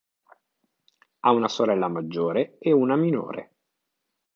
Ha una sorella maggiore e una minore.